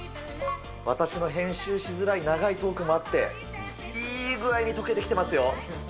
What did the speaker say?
私の編集しづらい長いトークもあって、いい具合に溶けてきてますよ。